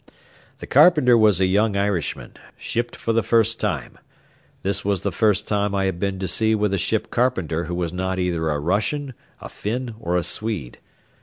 The carpenter was a young Irishman, shipped for the first time. This was the first time I had been to sea with a ship carpenter who was not either a Russian, a Finn, or a Swede.